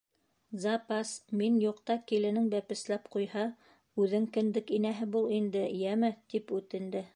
— Запас, мин юҡта киленең бәпесләп ҡуйһа, үҙең кендек инәһе бул инде, йәме, — тип үтенде.